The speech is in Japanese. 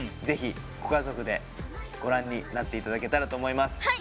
ぜひご家族でご覧になっていただけたらと思います